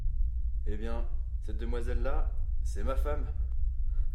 Eh bien, cette demoiselle-là, c’est ma femme !